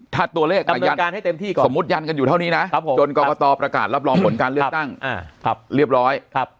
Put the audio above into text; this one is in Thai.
ถัดตัวเลขดำเนินการให้เต็มที่ก่อนสมมุติยันอยู่เท่านี้นะจนกรกตประกาศรับรองผลการเลือกตั้งเรียบร้อย